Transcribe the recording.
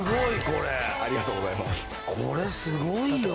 これすごいよ。